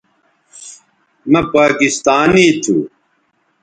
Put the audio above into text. مہ پاکستانی تھو